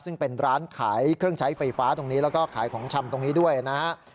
ซึ่งเป็นร้านขายเครื่องใช้ไฟฟ้าตรงนี้แล้วก็ขายของชำตรงนี้ด้วยนะฮะ